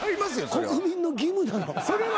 国民の義務なの。